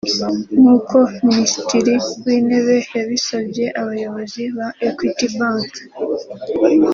nk’uko Ministiri w’intebe yabisabye abayobozi ba Equity Bank